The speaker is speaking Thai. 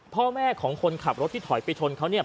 พ่อแม่ของคนขับรถที่ถอยไปชนเขาเนี่ย